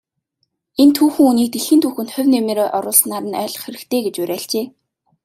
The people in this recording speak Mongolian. Энэ түүхэн хүнийг дэлхийн түүхэнд хувь нэмрээ оруулснаар нь ойлгох хэрэгтэй гэж уриалжээ.